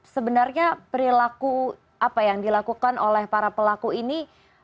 sebenarnya perilaku apa yang dilakukan oleh para pelaku ini